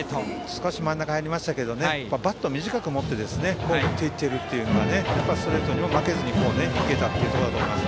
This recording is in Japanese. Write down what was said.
少し真ん中に入りましたがバット短く持って振っていっているということでストレートに負けずに打てたというところだと思います。